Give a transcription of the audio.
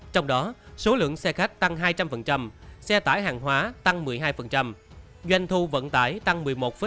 trong đó số lượng xe khách tăng hai trăm linh xe tải hàng hóa tăng một mươi hai doanh thu vận tải tăng một mươi một năm